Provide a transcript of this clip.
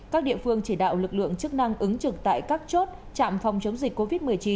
các địa phương chỉ đạo lực lượng chức năng ứng trực tại các chốt trạm phòng chống dịch covid một mươi chín